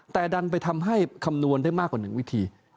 แต่ดันไปทำให้คำนวณได้มากกว่า๑วิธี